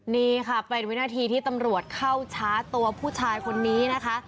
นี่ค่ะเป็นวินาทีที่ตำรวจเข้าชาร์จตัวผู้ชายคนนี้นะคะ